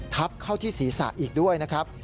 ทับเข้าที่ศีรษะอีกด้วยนะครับ